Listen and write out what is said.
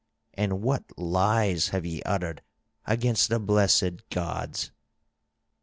And what lies have ye uttered against the blessed gods!"